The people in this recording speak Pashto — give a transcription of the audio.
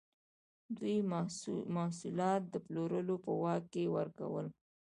دوی محصولات د پلورونکو په واک کې ورکول.